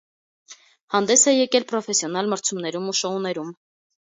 Հանդես է եկել պրոֆեսիոնալ մրցումներում և շոուներում։